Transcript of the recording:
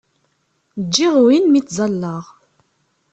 Ǧǧiɣ win mi ttẓallaɣ.